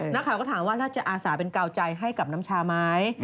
นักข่าวก็ถามว่าแล้วจะอาสาเป็นกาวใจให้กับน้ำชาไหม